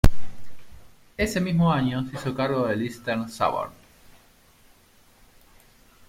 Ese mismo año se hizo cargo del Eastern Suburbs.